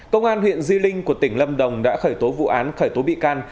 công an huyện di linh của tỉnh lâm đồng đã khởi tố vụ án khởi tố bị can